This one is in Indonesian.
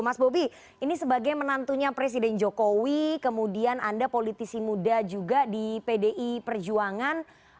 mas bobi ini sebagai menantunya presiden jokowi kemudian anda politisi muda juga di pdi perjuangan